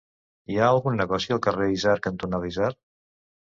Hi ha algun negoci al carrer Isard cantonada Isard?